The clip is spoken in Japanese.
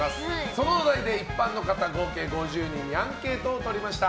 そのお題で一般の方合計５０人にアンケートを取りました。